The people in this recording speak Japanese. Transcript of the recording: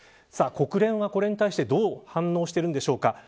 国連はこれに対してどう反応しているんでしょうか。